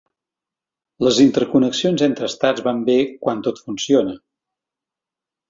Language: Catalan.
Les interconnexions entre estats van bé quan tot funciona.